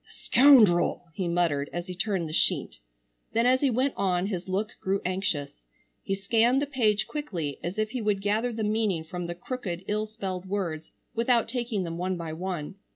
"The scoundrel!" he muttered as he turned the sheet. Then as he went on his look grew anxious. He scanned the page quickly as if he would gather the meaning from the crooked ill spelled words without taking them one by one.